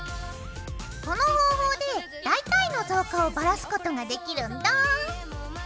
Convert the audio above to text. この方法で大体の造花をばらすことができるんだ！